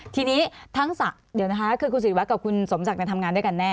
ทีนี้ทั้งเดี๋ยวนะคะคือคุณศิริวัตกับคุณสมศักดิ์ทำงานด้วยกันแน่